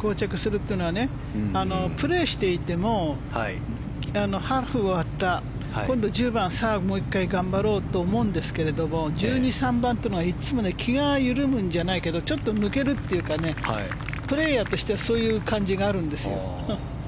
こう着するというのはプレーしていてもハーフ終わった今度１０番、さあもう１回頑張ろうと思うんですけど１２、１３番というのは気が緩むんじゃないけどちょっと抜けるというかプレーヤーとしてはそういう感じがあるんですよ。